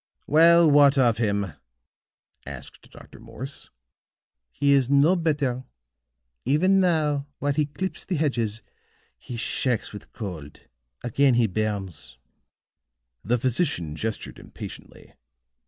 "Well, what of him?" asked Dr. Morse. "He is no better. Even now while he clips the hedges, he shakes with cold; again he burns." The physician gestured impatiently.